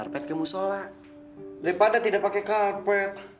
armpit ke musyola daripada tidak pakai karpet